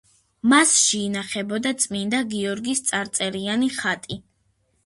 მასში ინახებოდა წმინდა გიორგის წარწერიანი ხატი.